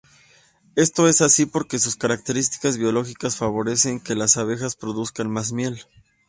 Esto es así porque sus características biológicas favorecen que las abejas produzcan más miel.